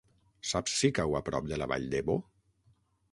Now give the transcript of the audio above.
Saps si cau a prop de la Vall d'Ebo?